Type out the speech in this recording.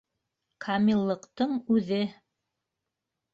Камиллыҡтың үҙе!